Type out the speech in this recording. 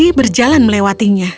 dan berjalan melewatinya